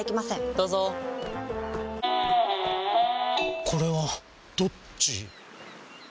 どうぞこれはどっち？